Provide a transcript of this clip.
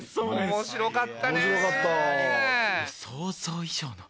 面白かった。